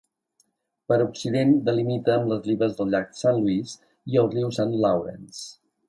Per occident, delimita amb les ribes del llac Saint-Louis i el riu Saint Lawrence.